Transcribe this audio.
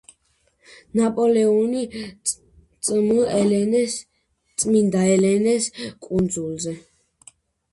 ნაპოლეონი წმ.ელენეს კუნძულზე